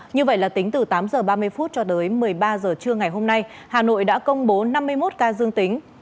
như vậy là tính từ tám h ba mươi phút cho tới một mươi ba h trưa ngày hôm nay hà nội đã công bố năm mươi một ca dương tính